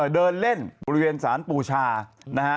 เดินเล่นพรุ่งเมียร์สานปูชานะฮะ